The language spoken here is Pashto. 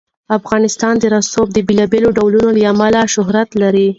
افغانستان د رسوب د بېلابېلو ډولونو له امله شهرت لري.